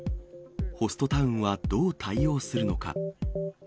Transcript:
ホストタウンはどう対応するのか。